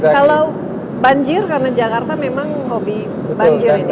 kalau banjir karena jakarta memang hobi banjir ini